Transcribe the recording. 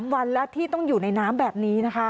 วันแล้วที่ต้องอยู่ในน้ำแบบนี้นะคะ